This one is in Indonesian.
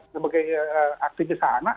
sebagai aktivis anak anak